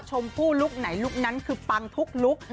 ชมพู่ลุคไหนลุคนั้นคือปังทุกลุค